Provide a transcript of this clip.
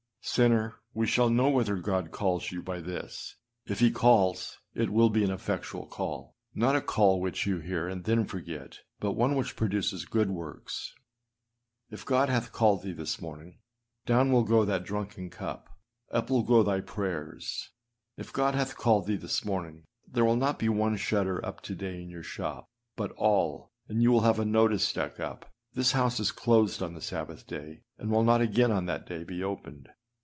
Sinner, we shall know whether God calls you by this: if he calls, it will be an effectual call â not a call which you hear and then forget but one which produces good works. If God hath called thee this morning, down will go that drunken cup, up will go thy prayers; if God hath called thee this morning, there will not be one shutter up to day in your shop, but all, and you will have a notice stuck up, âThis house is closed on the Sabbath day, and will not again on that day, be opened.